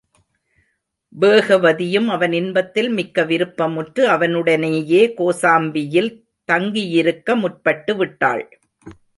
வேகவதியும் அவன் இன்பத்தில் மிக்க விருப்பமுற்று, அவனுடனேயே கோசாம்பியில் தங்கியிருக்க முற்பட்டுவிட்டாள்.